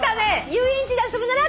「遊園地で遊ぶなら」